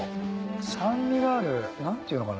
酸味がある何ていうのかな？